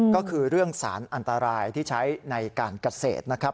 ก็คือเรื่องสารอันตรายที่ใช้ในการเกษตรนะครับ